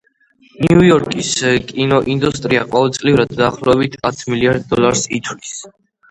ნიუ-იორკის კინოინდუსტრია ყოველწლიურად დაახლოებით ათ მილიარდ დოლარს ითვლის.